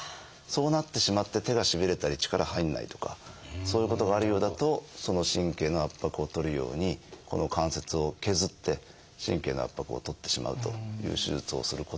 そうなってしまって手がしびれたり力入んないとかそういうことがあるようだとその神経の圧迫を取るようにこの関節を削って神経の圧迫を取ってしまうという手術をすることもあります。